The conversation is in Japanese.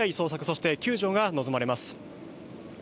そして救助が望まれます。